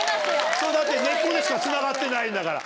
だって根っこでしかつながってないんだから